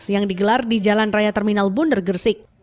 yang digelar di jalan raya terminal bundar gersik